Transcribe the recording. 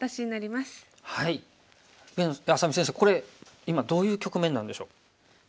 愛咲美先生これ今どういう局面なんでしょう？